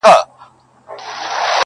غواړمه چي دواړي سترگي ورکړمه.